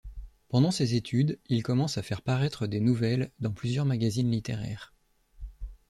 Pendant ses études, il commence à faire paraître des nouvelles dans plusieurs magazines littéraires.